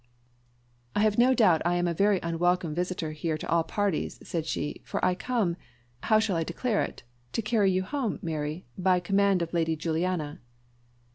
"I have no doubt I am a very unwelcome visitor here to all parties," said she; "for I come how shall I declare it? to carry you home, Mary, by command of Lady Juliana."